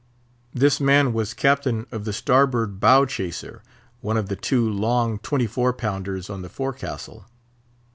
This man was captain of the starboard bow chaser, one of the two long twenty four pounders on the forecastle.